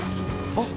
・あっ！！